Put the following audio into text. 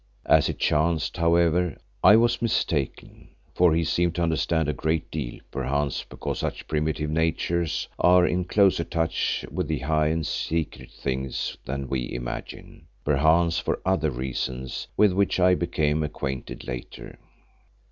As it chanced, however, I was mistaken, for he seemed to understand a great deal, perchance because such primitive natures are in closer touch with high and secret things than we imagine; perchance for other reasons with which I became acquainted later.